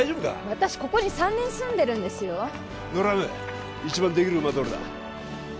私ここに３年住んでるんですよドラム一番できる馬どれだ？